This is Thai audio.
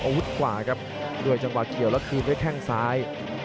สายกับขวาครับด้วยจังหวะเกี่ยวและคืนด้วยแค่งซ้าย